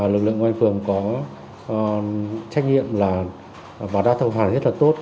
lực lượng ngoại phường có trách nhiệm và đã thông hành rất là tốt